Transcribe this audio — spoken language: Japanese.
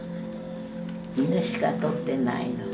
犬しか撮ってないの。